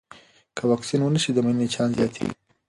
که واکسین ونه شي، د مړینې چانس زیاتېږي.